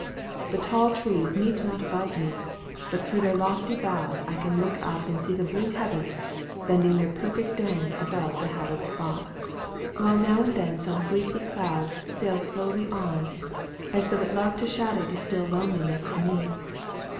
The tall trees meet not above me, but through their lofty boughs I can look up and see the blue heavens bending their perfect dome above the hallowed spot, while now and then some fleecy cloud sails slowly on, as though it loved to shadow the still loneliness beneath.